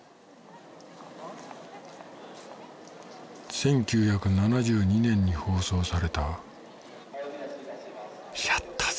１９７２年に放送された『やったぜ！